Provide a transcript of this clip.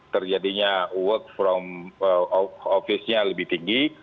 terjadinya work from office nya lebih tinggi